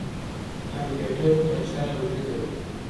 کمپيوټر کچره له منځه وړي.